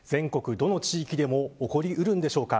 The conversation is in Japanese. どの地域でも起こりうるんでしょうか。